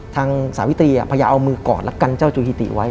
สาวิตรีพยายามเอามือกอดและกันเจ้าจูฮิติไว้